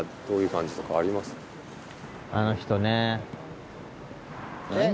あの人ね。